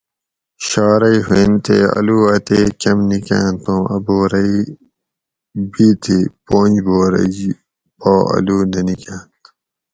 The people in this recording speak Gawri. شارئی ہوئنت تے اۤلو اتیک کۤم نِکاۤنت اُوں اۤ بورئی بی تھی پنج بورئی پا اۤلو نہ نِکانت